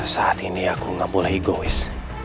saat ini aku nggak boleh egois